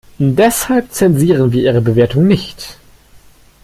Deshalb zensieren wir ihre Bewertung nicht.